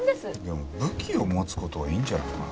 でも武器を持つ事はいいんじゃないかな。